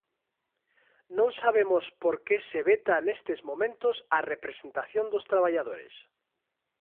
Non sabemos por que se veta nestes momentos a representación dos traballadores.